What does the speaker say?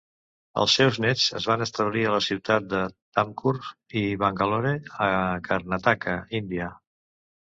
Els seus nets es van establir a les ciutat de Tumkur i Bangalore, a Karnataka, Índia.